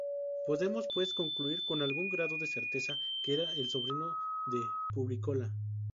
Podemos, pues, concluir con algún grado de certeza que era el sobrino de Publícola.